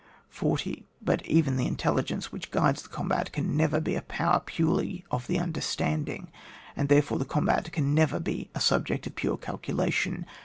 40. But even the intelligence which guides the combat, can never be a power purely of the understanding, and, there fore, the combat can never be a subject of pure calculation.